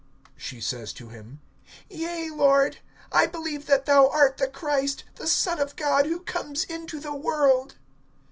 (27)She says to him: Yea, Lord; I believe that thou art the Christ, the Son of God, who comes into the world.